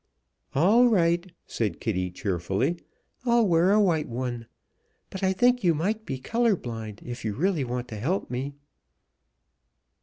"All right!" said Kitty, cheerfully, "I'll wear a white one, but I think you might be color blind if you really want to help me."